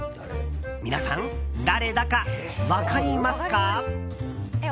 皆さん、誰だか分かりますか？